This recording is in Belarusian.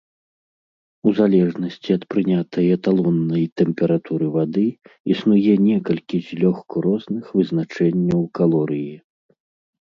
У залежнасці ад прынятай эталоннай тэмпературы вады, існуе некалькі злёгку розных вызначэнняў калорыі.